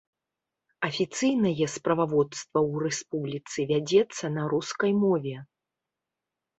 Афіцыйнае справаводства ў рэспубліцы вядзецца на рускай мове.